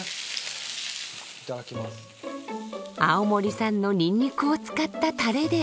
青森産のニンニクを使ったタレで。